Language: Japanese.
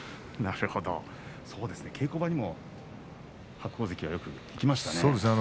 稽古場にも白鵬関はよく行きましたね。